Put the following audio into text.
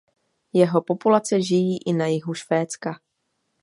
Jeho populace žijí i na jihu Švédska.